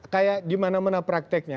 kayak gimana mana prakteknya